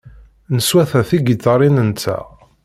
Neswata tigiṭarin-nteɣ.